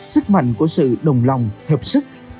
sức mạnh của sự đồng lòng hợp sức